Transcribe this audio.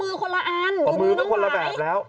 อ๋อมือคนละอันมือมือคนละแบบแล้ว